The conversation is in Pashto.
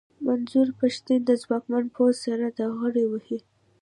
منظور پښتين د ځواکمن پوځ سره ډغرې وهي.